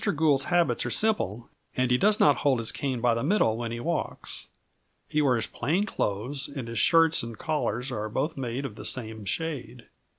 Gould's habits are simple and he does not hold his cane by the middle when he walks. He wears plain clothes and his shirts and collars are both made of the same shade.